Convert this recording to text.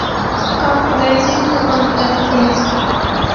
ڪانڪ ويلڍينڳ نون ڪام ڪريَ سي۔